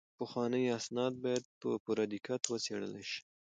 پخواني اسناد باید په پوره دقت وڅیړل شي.